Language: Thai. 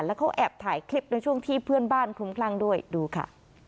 แล้วเขาแอบถ่ายคลิปด้วยช่วงที่เพื่อนบ้านคลุ้มคลั่งด้วยดูค่ะ